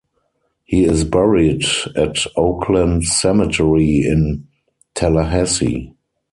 He is buried at Oakland Cemetery in Tallahassee.